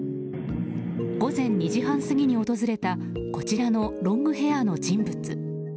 午前２時半過ぎに訪れたこちらのロングヘアーの人物。